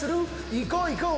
行こう行こう！